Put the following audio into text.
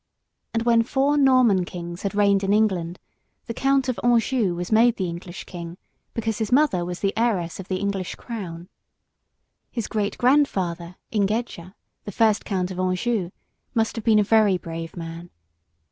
And when four Norman Kings had reigned in England, the Count of Anjou was made the English King, because his mother was the heiress of the English crown. His great grandfather, Ingeger, the first Count of Anjou, must have been a very brave man.